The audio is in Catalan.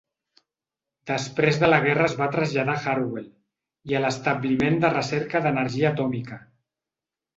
Després de la guerra es va traslladar a Harwell i a l"Establiment de Recerca D"Energia Atòmica.